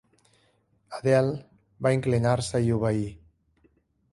Adele va inclinar-se i obeir.